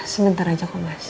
sebentar aja kok mas